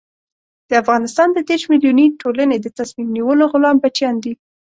د افغانستان د دېرش ملیوني ټولنې د تصمیم نیولو غلام بچیان دي.